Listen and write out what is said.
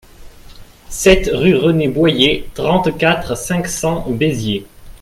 sept rue René Boyer, trente-quatre, cinq cents, Béziers